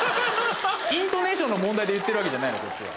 イントネーションの問題で言ってるわけじゃないのこっちは。